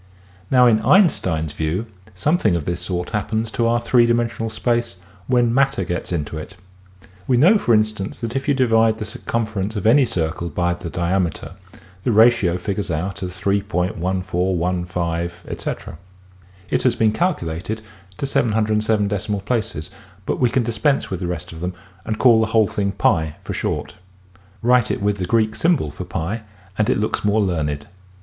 Now in Einstein's view something of this sort hap pens to our three dimensional space when matter gets into it. We know for instance that if you divide the circumference of any circle by the diameter the ratio figures out as 3.1415+. It has been calculated to 707 decimal places but we can dispense with the rest of them and call the whole thing Pi for short. Write it in Greek as ^ and it looks more learned.